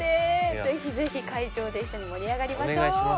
ぜひぜひ会場で一緒に盛り上がりましょう。